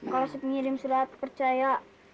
kalau si pengirim surat percaya